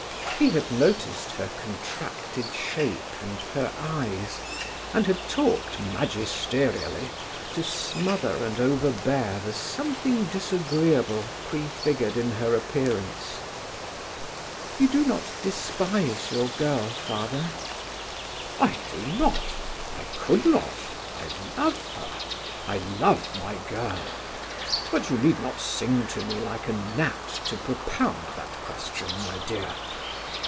He had noticed her contracted shape and her eyes, and had talked magisterially to smother and overbear the something disagreeable prefigured in her appearance. "You do not despise your girl, father?" "I do not; I could not; I love her; I love my girl. But you need not sing to me like a gnat to propound that question, my dear."